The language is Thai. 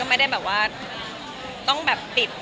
ก็เลยเอาข้าวเหนียวมะม่วงมาปากเทียน